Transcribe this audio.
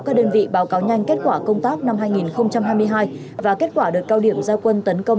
các đơn vị báo cáo nhanh kết quả công tác năm hai nghìn hai mươi hai và kết quả đợt cao điểm giao quân tấn công